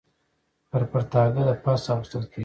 پر پرتاګه د پاسه اغوستل کېږي.